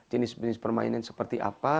jenis jenis permainan seperti apa